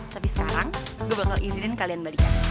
tapi sekarang gue bakal izinin kalian balikan